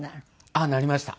あっなりました。